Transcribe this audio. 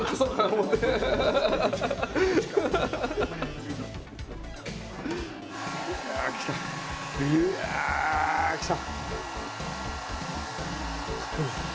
うわきた。